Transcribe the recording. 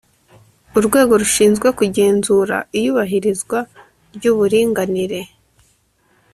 Urwego rushinzwe kugenzura iyubahirizwa ry’uburinganire